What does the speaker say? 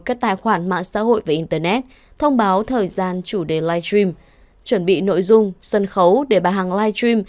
các tài khoản mạng xã hội và internet thông báo thời gian chủ đề live stream chuẩn bị nội dung sân khấu để bà hàng live stream